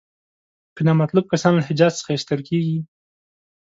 که نامطلوب کسان له حجاز څخه ایستل کیږي.